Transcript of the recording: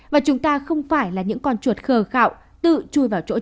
và chúng ta không phải là những con chuột khờ khạo tự chui vào chỗ trị